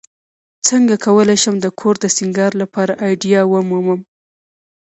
uڅنګه کولی شم د کور د سینګار لپاره آئیډیا ومومم